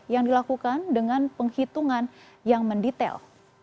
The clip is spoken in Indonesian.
yang dilakukan dengan penghitungan yang mendetail